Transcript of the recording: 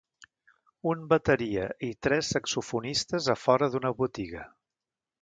Un bateria i tres saxofonistes a fora d'una botiga.